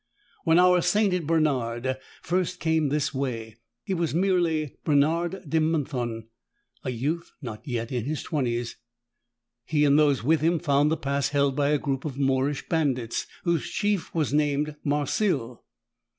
When our sainted Bernard first came this way, he was merely Bernard de Menthon, a youth not yet in his twenties. He and those with him found the Pass held by a group of Moorish bandits, whose chief was named Marsil.